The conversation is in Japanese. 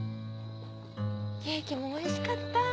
ケーキもおいしかったぁ。